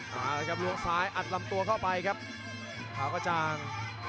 หลวงซ้ายอัดลำตัวเข้าไปครับขาวกระจ่าง